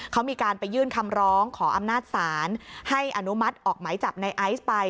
เขามีการไปยื่นคำร้องขออำนาจศาลให้อนุมัติออกไหมจับในไอซ์ไป